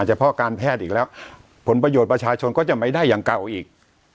เฉพาะการแพทย์อีกแล้วผลประโยชน์ประชาชนก็จะไม่ได้อย่างเก่าอีก